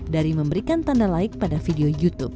dari memberikan tanda like pada video youtube